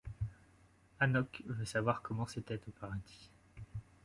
Hanoch veut savoir comment c'était au paradis.